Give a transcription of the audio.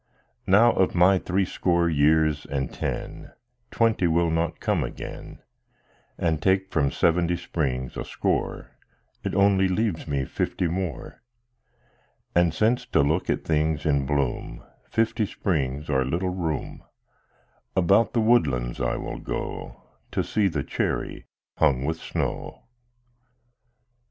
Now, of my threescore years and ten, Twenty will not come again, And take from seventy springs a score, It only leaves me fifty more. And since to look at things in bloom Fifty springs are little room, About the woodlands I will go To see the cherry hung with snow.